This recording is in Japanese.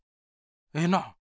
ええな！